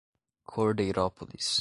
Cordeirópolis